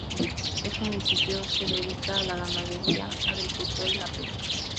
Es municipio se dedica a la ganadería, agricultura y la pesca.